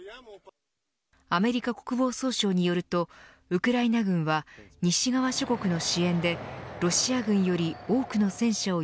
アメリカ国防総省によるとウクライナ軍は西側諸国の支援でロシア軍より多くの戦車を